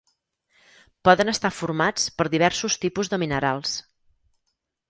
Poden estar formats per diversos tipus de minerals.